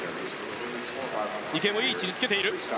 池江もいい位置につけている。